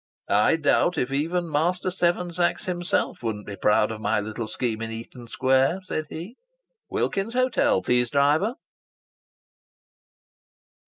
"I doubt if even Master Seven Sachs himself wouldn't be proud of my little scheme in Eaton Square!" said he.... "Wilkins's Hotel, please, driver."